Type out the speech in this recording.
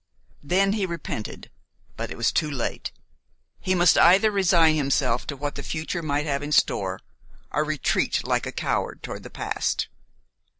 Then he repented, but it was too late; he must either resign himself to what the future might have in store, or retreat like a coward toward the past.